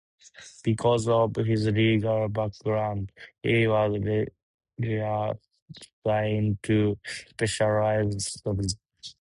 Because of his legal background he was reassigned to specialized study.